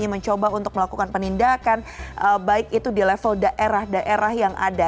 mencoba untuk melakukan penindakan baik itu di level daerah daerah yang ada